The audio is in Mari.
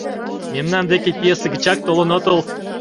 Мемнан деке пьесе гычак толын отыл?